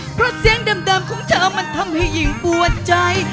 เพราะเสียงเดิมของเธอมันทำให้ยิ่งปวดใจ